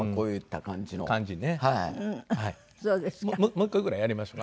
もう一個ぐらいやりましょか？